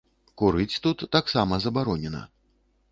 Курыць тут таксама забаронена.